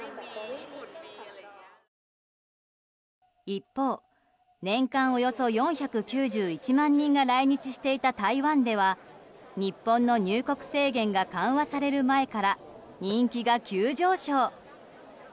一方、年間およそ４９１万人が来日していた台湾では日本の入国制限が緩和される前から人気が急上昇。